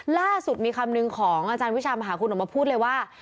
ล่าสุดมีคำนึงของอาจารย์วิชามหาคุณออกมาพูดเลยว่า